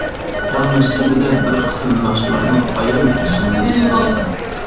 تاغ مەشرىپىدە، بىر قىسىم ناخشىلارنىڭ ئايرىم ئۇسسۇلى بولىدۇ.